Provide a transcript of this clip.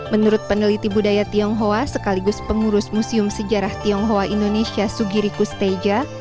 menurut peneliti budaya tionghoa sekaligus pengurus museum sejarah tionghoa indonesia sugirikus teja